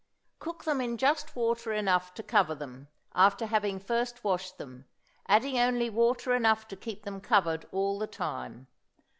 Cook them in just water enough to cover them, after having first washed them, adding only water enough to keep them covered all the time.